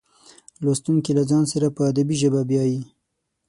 لوستونکي له ځان سره په ادبي ژبه بیایي.